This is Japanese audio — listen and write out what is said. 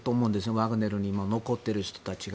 ワグネルに残っている人たちが。